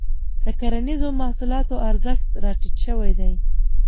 د کرنیزو محصولاتو ارزښت راټيټ شوی دی.